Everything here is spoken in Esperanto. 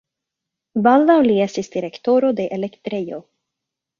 Baldaŭ li estis direktoro de elektrejo.